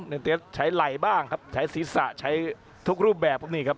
เต็ดใช้ไหล่บ้างครับใช้ศีรษะใช้ทุกรูปแบบพวกนี้ครับ